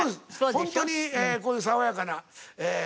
ホントにこういう爽やかな男が。